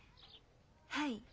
はい。